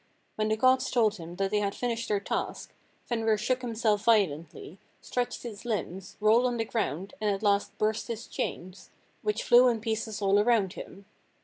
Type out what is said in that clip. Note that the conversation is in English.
When the gods told him that they had finished their task, Fenrir shook himself violently, stretched his limbs, rolled on the ground, and at last burst his chains, which flew in pieces all around him.